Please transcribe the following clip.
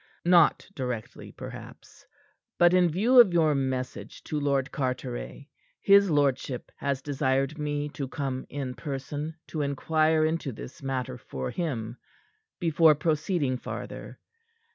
"Not directly, perhaps; but in view of your message to Lord Carteret, his lordship has desired me to come in person to inquire into this matter for him, before proceeding farther.